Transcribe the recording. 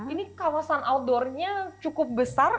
ini kawasan outdoor nya cukup besar